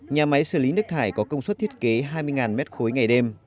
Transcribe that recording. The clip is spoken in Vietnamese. nhà máy xử lý nước thải có công suất thiết kế hai mươi m ba ngày đêm